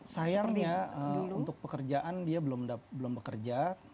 sayangnya untuk pekerjaan dia belum bekerja